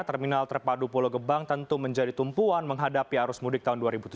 terminal terpadu pulau gebang tentu menjadi tumpuan menghadapi arus mudik tahun dua ribu tujuh belas